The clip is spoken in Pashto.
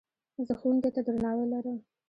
زه ښوونکي ته درناوی لرم.